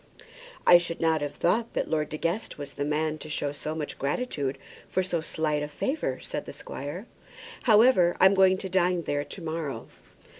"I should not have thought that Lord De Guest was the man to show so much gratitude for so slight a favour," said the squire. "However, I'm going to dine there to morrow."